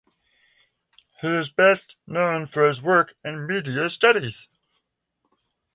He is best known for his work in media studies.